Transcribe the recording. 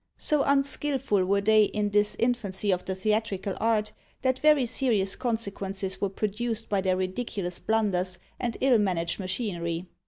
So unskilful were they in this infancy of the theatrical art, that very serious consequences were produced by their ridiculous blunders and ill managed machinery.